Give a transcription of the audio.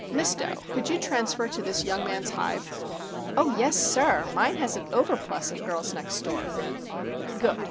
Miss Dough, could you transfer to this young man's hive?" "Oh, yes, sir! Mine has an over plus of Girls Next Door." "Good.